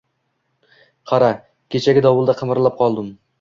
Qara, kechagi dovulda qimirlab qoldim.